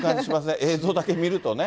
映像だけ見るとね。